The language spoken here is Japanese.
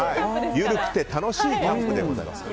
緩くて楽しいキャンプでございます。